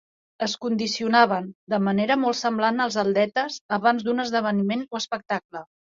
Es condicionaven, de manera molt semblant als atletes abans d'un esdeveniment o espectacle.